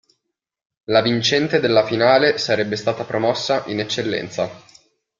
La vincente della finale sarebbe stata promossa in Eccellenza.